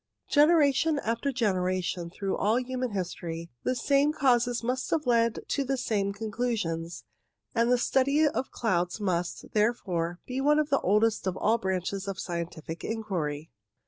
Generation after generation, through all human history, the same causes must have led to the same conclusions ; and the study of clouds must, therefore, be one of the oldest of all branches of scientific inquiry.